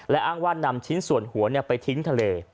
และอ้างว่านำชิ้นส่วนหัวไปทิ้งทะเล